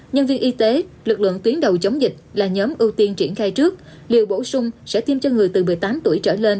nhân viên y tế lực lượng tuyến đầu chống dịch là nhóm ưu tiên triển khai trước liều bổ sung sẽ tiêm cho người từ một mươi tám tuổi trở lên